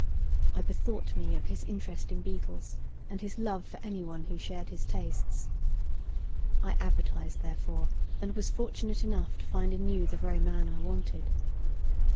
I bethought me of his interest in beetles, and his love for anyone who shared his tastes. I advertised, therefore, and was fortunate enough to find in you the very man I wanted.